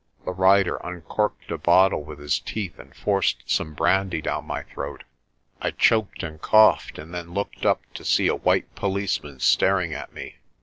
The rider uncorked a bottle with his teeth and forced some brandy down my throat. I choked and coughed and then looked up to see a white policeman staring at me.